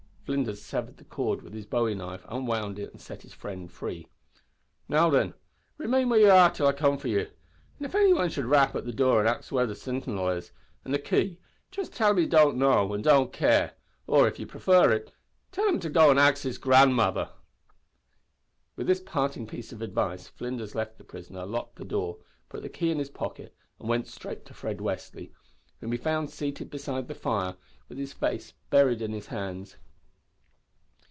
Flinders severed the cord with his bowie knife, unwound it, and set his friend free. "Now thin, remain where ye are till I come for ye; an' if any wan should rap at the door an' ax where's the sintinel an' the kay, just tell him ye don't know, an don't care; or, if ye prefer it, tell him to go an' ax his grandmother." With this parting piece of advice Flinders left the prisoner, locked the door, put the key in his pocket, and went straight to Fred Westly, whom he found seated beside the fire with his face buried in his hands.